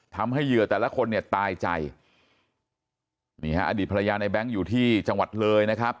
เหยื่อแต่ละคนเนี่ยตายใจนี่ฮะอดีตภรรยาในแบงค์อยู่ที่จังหวัดเลยนะครับ